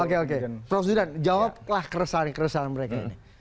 oke oke prof zudan jawablah keresahan keresahan mereka ini